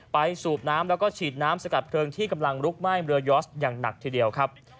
สูบน้ำแล้วก็ฉีดน้ำสกัดเพลิงที่กำลังลุกไหม้เรือยอสอย่างหนักทีเดียวครับ